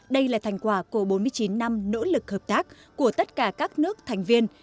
đây là thành quả của bốn mươi chín năm nỗ lực hợp tác của tất cả các nước thành viên